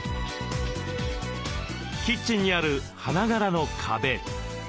キッチンにある花柄の壁。